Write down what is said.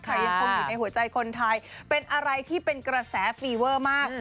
ยังคงอยู่ในหัวใจคนไทยเป็นอะไรที่เป็นกระแสฟีเวอร์มาก